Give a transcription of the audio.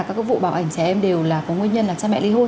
các vụ bạo hành trẻ em đều có nguyên nhân là cha mẹ ly hôn